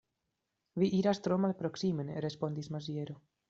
Vi iras tro malproksimen, respondis Maziero.